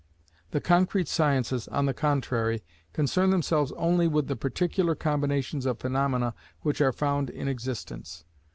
The concrete sciences, on the contrary, concern themselves only with the particular combinations of phaenomena which are found in existence.